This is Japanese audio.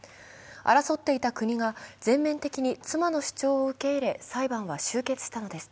争っていた国が全面的に妻の主張を受け入れ裁判は終結したのです。